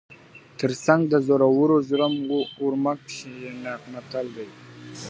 تر څنګ د زورورو زړه ور مه کښېنه متل دی.